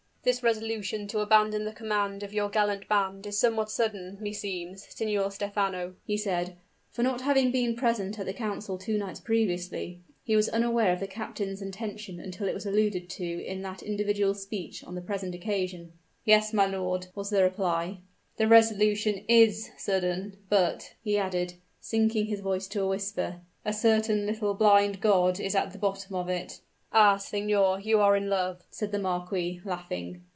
"This resolution to abandon the command of your gallant band is somewhat sudden, meseems, Signor Stephano," he said: for not having been present at the council held two nights previously, he was unaware of the captain's intention until it was alluded to in that individual's speech on the present occasion. "Yes, my lord," was the reply; "the resolution is sudden, But," he added, sinking his voice to a whisper, "a certain little blind god is at the bottom of it." "Ah! signor, you are in love!" said the marquis, laughing.